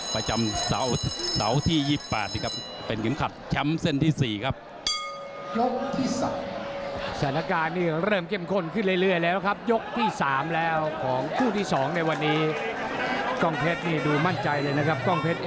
ประจำเสาร์ที่๒๘นะครับเป็นเข็มขัดแชมป์เส้นที่๔ครับ